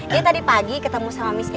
dia tadi pagi ketemu sama miss erina